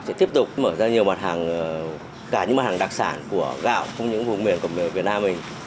sẽ tiếp tục mở ra nhiều mặt hàng cả những mặt hàng đặc sản của gạo không những vùng miền của miền nam mình